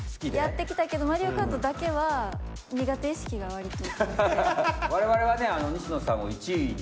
やってきたけど『マリオカート』だけは苦手意識がわりと。